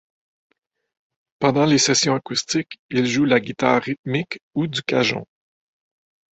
Pendant les sessions acoustiques, il joue la guitare rythmique ou du cajon.